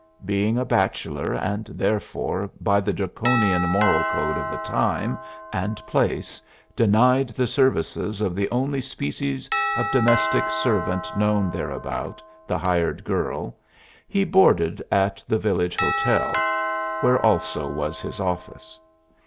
Being a bachelor, and therefore, by the Draconian moral code of the time and place denied the services of the only species of domestic servant known thereabout, the "hired girl," he boarded at the village hotel, where also was his office.